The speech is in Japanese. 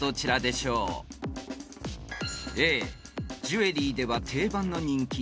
［ジュエリーでは定番の人気］